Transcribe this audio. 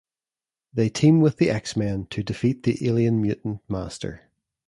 They team with the X-Men to defeat the alien Mutant Master.